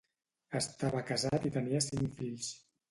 Estava casat i tenia cinc fills.